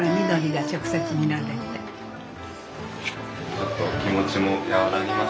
ちょっと気持ちも和らぎますよね。